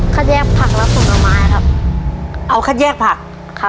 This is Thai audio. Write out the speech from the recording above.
ขั้นแยกผักและสุนไม้ครับเอาขั้นแยกผักครับ